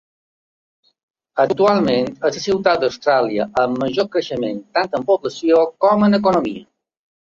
Actualment és la ciutat d'Austràlia amb major creixement tant en població com en economia.